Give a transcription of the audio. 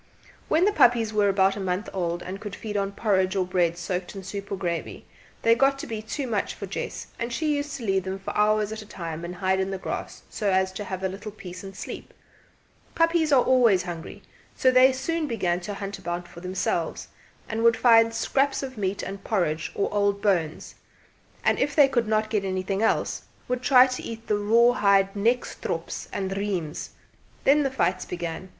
When the puppies were about a month old, and could feed on porridge or bread soaked in soup or gravy, they got to be too much for Jess, and she used to leave them for hours at a time and hide in the grass so as to have a little peace and sleep. Puppies are always hungry, so they soon began to hunt about for themselves, and would find scraps of meat and porridge or old bones; and if they could not get anything else, would try to eat the raw hide nekstrops and reims. Then the fights began.